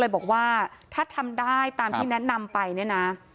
ก็เลยบอกว่าถ้าทำได้ตามที่แนะนำไปน่ะ